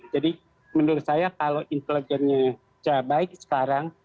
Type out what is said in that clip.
jadi menurut saya kalau intelijensnya secara baik sekarang